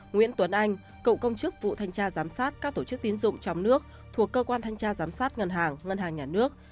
nguyễn tuấn anh cựu công chức vụ thanh tra giám sát các tổ chức tiến dụng trong nước thuộc cơ quan thanh tra giám sát ngân hàng ngân hàng nhà nước